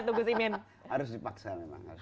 tuh gus imin harus dipaksa memang